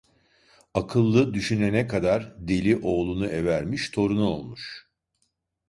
Akıllı düşünene kadar, deli oğlunu evermiş, torunu olmuş.